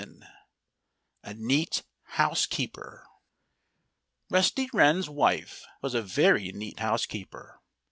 VII A NEAT HOUSEKEEPER Rusty Wren's wife was a very neat housekeeper.